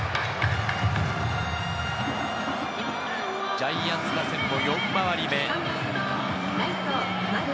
ジャイアンツ打線も４回り目。